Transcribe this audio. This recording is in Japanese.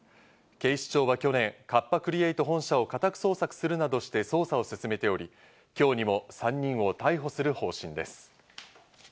警視庁は去年、カッパ・クリエイト本社を家宅捜索するなどして捜査を進めており、今日にも３人を逮捕する方針です。